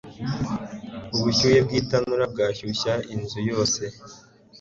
Ubushyuhe bwitanura bwashyushye inzu yose.